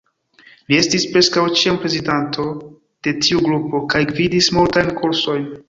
Li estis preskaŭ ĉiam prezidanto de tiu grupo kaj gvidis multajn kursojn.